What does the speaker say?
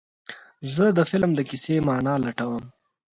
زه د فلم د کیسې معنی لټوم.